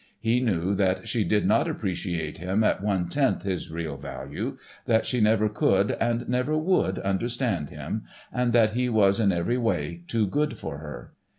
He knew that she did not appreciate him at one tenth his real value, that she never could and never would understand him, and that he was in every way too good for her.